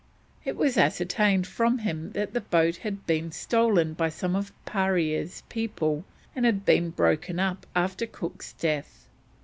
It was ascertained from him that the boat had been stolen by some of Parea's people and had been broken up after Cook's death.